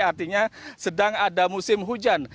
artinya sedang ada musim hujan